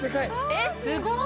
えっすごっ。